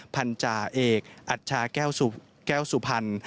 พันธาเอกอัชชาแก้วสุพรรณ